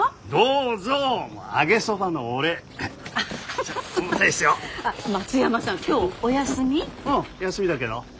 うん休みだけど。